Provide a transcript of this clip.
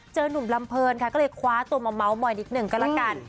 หนุ่มลำเพลินค่ะก็เลยคว้าตัวมาเมาส์มอยนิดหนึ่งก็แล้วกัน